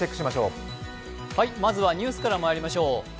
まずはニュースからまいりましょう。